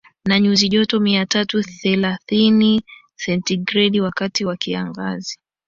na nyuzi joto mia tatu thelathini sentigredi wakati wa kiangazi